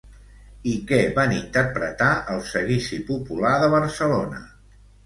I què van interpretar al Seguici Popular de Barcelona?